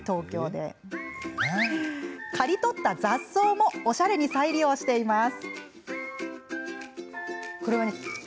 刈り取った雑草もおしゃれに再利用しています。